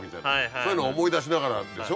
そういうの思い出しながらでしょ